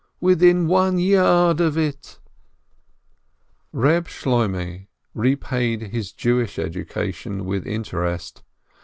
— "Within one yard of it !" Reb Shloimeh repaid his Jewish education with inter est.